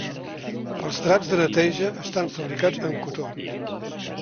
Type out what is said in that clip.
Els draps de neteja estan fabricats en cotó.